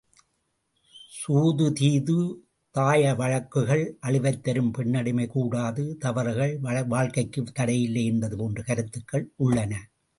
சூது தீது தாயவழக்குகள் அழிவைத்தரும் பெண்ணடிமை கூடாது தவறுகள் வாழ்க்கைக்குத் தடை இல்லை என்பது போன்ற கருத்துகள் உள்ளன.